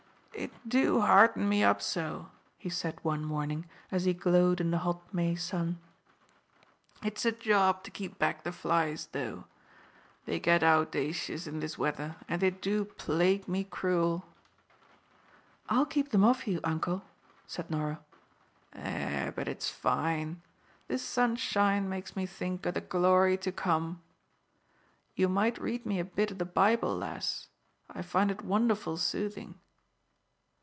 "It do hearten me up so," he said one morning, as he glowed in the hot May sun. "It's a job to keep back the flies, though. They get owdacious in this weather, and they do plague me cruel." "I'll keep them off you, uncle," said Norah. "Eh, but it's fine! This sunshine makes me think o' the glory to come. You might read me a bit o' the Bible, lass. I find it wonderful soothing."